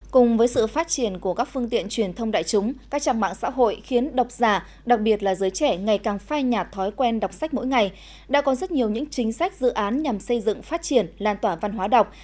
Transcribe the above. cùng với sự phát triển của các phương tiện truyền thông đại chúng các trang mạng xã hội khiến độc giả đặc biệt là giới trẻ ngày càng phai nhạt thói quen đọc sách mỗi ngày đã có rất nhiều những chính sách dự án nhằm xây dựng phát triển lan tỏa văn hóa đọc